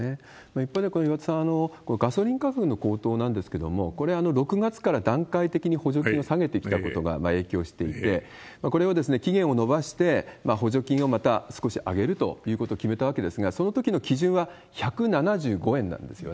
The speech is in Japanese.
一方で、岩田さん、ガソリン価格の高騰なんですけれども、これ、６月から段階的に補助金を下げてきたことが影響していて、これを期限を延ばして補助金をまた少し上げるということを決めたわけですが、そのときの基準は１７５円なんですよね。